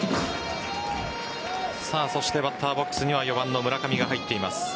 そしてバッターボックスには４番の村上が入っています。